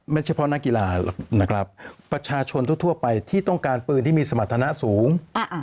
เฉพาะนักกีฬานะครับประชาชนทั่วไปที่ต้องการปืนที่มีสมรรถนะสูง